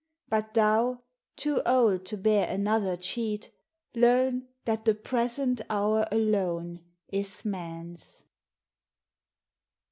But thou, too old to bear another cheat, Learn that the present hour alone is man's.